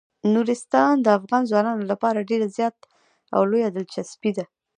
نورستان د افغان ځوانانو لپاره ډیره زیاته او لویه دلچسپي لري.